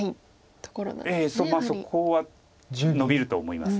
そうそこはノビると思います。